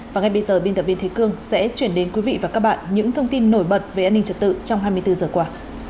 và ngay bây giờ biên tập viên thế cương sẽ chuyển đến quý vị và các bạn những thông tin nổi bật về an ninh trật tự trong hai mươi bốn giờ qua